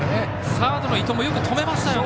サードの伊藤もよく止めましたよね。